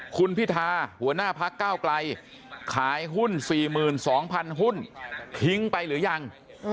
คุณพิธาหัวหน้าพักก้าวไกลขายหุ้น๔๒๐๐๐หุ้นทิ้งไปหรือยัง